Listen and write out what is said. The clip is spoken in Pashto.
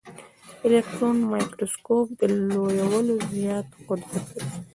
الکټرون مایکروسکوپ د لویولو زیات قدرت لري.